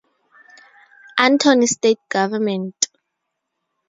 Antony state government.